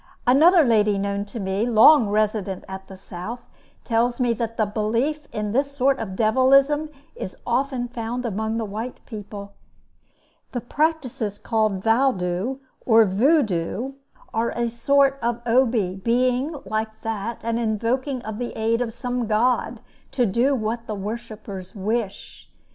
Another lady known to me, long resident at the South, tells me that the belief in this sort of devilism is often found among the white people. The practices called Vaudoux or Voudoux, are a sort of Obi; being, like that, an invoking of the aid of some god to do what the worshipers wish.